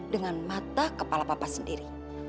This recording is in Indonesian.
dengan mata kepala papa sendiri